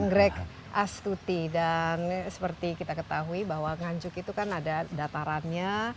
kru perbancingillan tumbuhnya